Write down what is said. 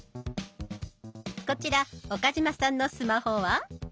こちら岡嶋さんのスマホは。